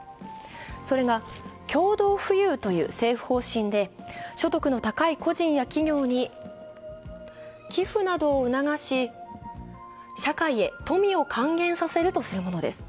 それが共同富裕という政府方針で所得の高い個人や企業に寄付などを促し、社会へ富を還元させるとするものです。